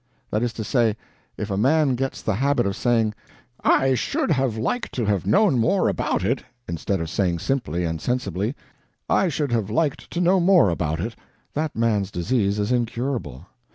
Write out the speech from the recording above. That is to say, if a man gets the habit of saying "I should have liked to have known more about it" instead of saying simply and sensibly, "I should have liked to know more about it," that man's disease is incurable.